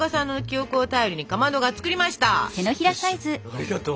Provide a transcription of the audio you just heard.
ありがとう！